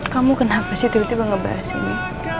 kamu kenapa sih tiba tiba ngebahas ini